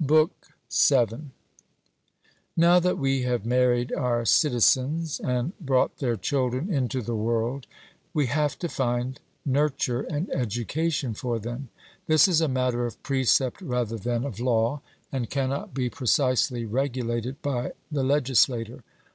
BOOK VII. Now that we have married our citizens and brought their children into the world, we have to find nurture and education for them. This is a matter of precept rather than of law, and cannot be precisely regulated by the legislator.